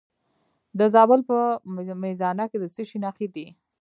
د زابل په میزانه کې د څه شي نښې دي؟